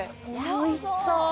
おいしそう！